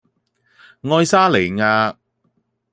愛沙尼亞